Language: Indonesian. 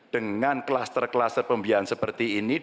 dengan kluster kluster pembiayaan seperti ini